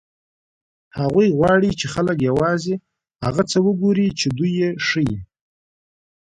هغوی غواړي چې خلک یوازې هغه څه وګوري چې دوی یې ښيي.